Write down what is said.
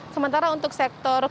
sementara untuk sektor kritis